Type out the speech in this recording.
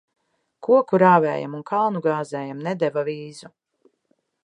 Koku rāvējam un kalnu gāzējam nedeva vīzu.